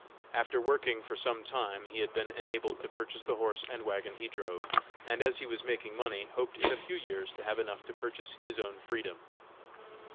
After working for some time he had been enabled to purchase the horse and wagon he drove, and as he was making money, hoped in a few years to have enough to purchase his own freedom.